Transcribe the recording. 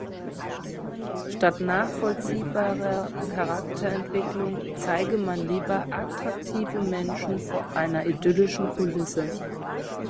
Statt nachvollziehbarer Charakterentwicklung zeige man lieber „attraktive Menschen vor einer idyllischen Kulisse“.